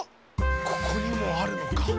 ここにもあるのか。